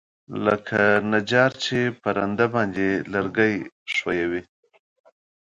لکه نجار چې په رنده باندى لرګى ښويوي.